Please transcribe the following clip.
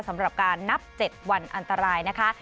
สำหรับการนับ๗วันอันตรายนะคะ